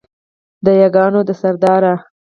د یاګانو ده سرداره